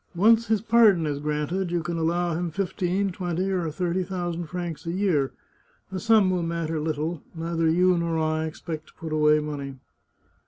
Once his pardon is granted, you can allow him fifteen, twenty, or thirty thou sand francs a year; the sum will matter little; neither you nor I expect to put away money."